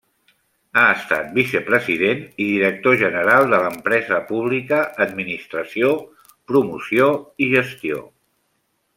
Ha estat vicepresident i director general de l'empresa pública Administració, Promoció i Gestió.